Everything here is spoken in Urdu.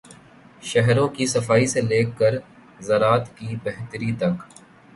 شہروں کی صفائی سے لے کر زراعت کی بہتری تک۔